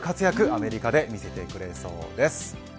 アメリカで見せてくれそうです。